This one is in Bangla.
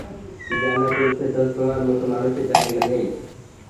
জান্নাতুল ফেরদাউসে তোমার মতো মানুষের জায়গা নেই।